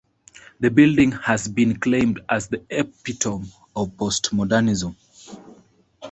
The building has been claimed as the epitome of Post-modernism.